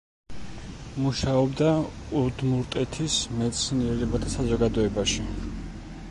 მუშაობდა უდმურტეთის მეცნიერებათა საზოგადოებაში.